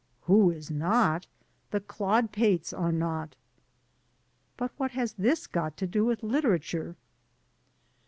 "Who is not? The dodpates are not." "But what has this got to do with literature?"